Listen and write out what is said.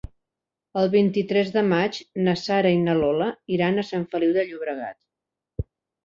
El vint-i-tres de maig na Sara i na Lola iran a Sant Feliu de Llobregat.